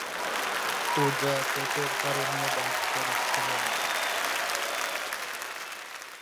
পূজা চোটের কারণে বাদ পড়েছিলেন।